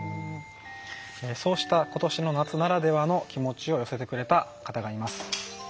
そうした今年の夏ならではの気持ちを寄せてくれた方がいます。